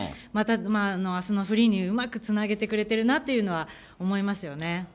また、あすのフリーにうまくつなげてくれてるなというのは思いましたよ